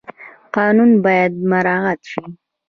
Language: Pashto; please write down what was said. قانون باید مراعات شي